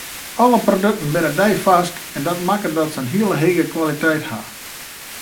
Alle produkten binne deifarsk en dat makket dat se in hege kwaliteit hawwe.